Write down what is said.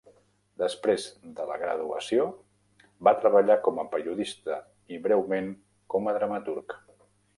Després de la graduació, va treballar com a periodista i breument com a dramaturg.